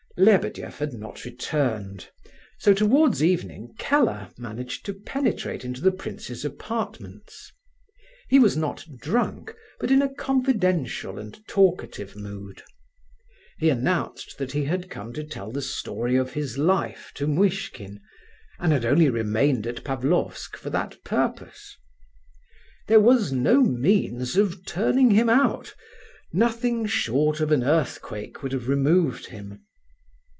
Lebedeff had not returned, so towards evening Keller managed to penetrate into the prince's apartments. He was not drunk, but in a confidential and talkative mood. He announced that he had come to tell the story of his life to Muishkin, and had only remained at Pavlofsk for that purpose. There was no means of turning him out; nothing short of an earthquake would have removed him.